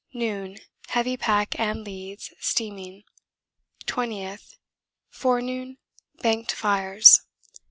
Noon, heavy pack and leads, steaming. 20th. Forenoon, banked fires.